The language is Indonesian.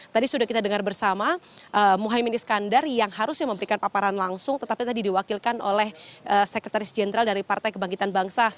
tadi sudah kita dengar bersama mohaimin iskandar yang harusnya memberikan paparan langsung tetapi tadi diwakilkan oleh sekretaris jenderal dari partai kebangkitan bangsa